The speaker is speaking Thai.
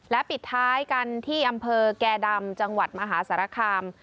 และปิดท้ายกันที่อำเภอแก่ดำจังหวัดมหาสารคาม